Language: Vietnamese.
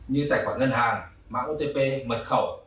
như tài khoản ngân hàng mạng otp mật khẩu